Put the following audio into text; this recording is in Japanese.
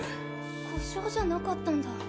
故障じゃなかったんだ。